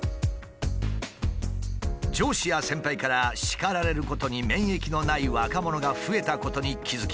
上司や先輩から叱られることに免疫のない若者が増えたことに気付き